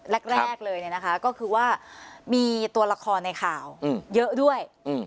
แรกเลยก็คือว่ามีตัวละครในข่าวเยอะด้วย